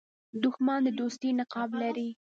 دښمن د دوستۍ نقاب لري